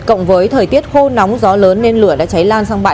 cộng với thời tiết khô nóng gió lớn nên lửa đã cháy lan sang bãi